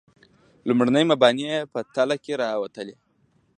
لومړني مباني یې په تله کې راوتلي.